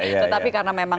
tetapi karena memang